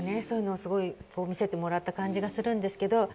そういうのをすごい見せてもらった感じがするんですけど。